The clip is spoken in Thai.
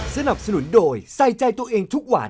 สนับสนุนโดยใส่ใจตัวเองทุกวัน